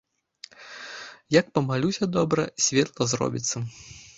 Як памалюся добра, светла зробіцца.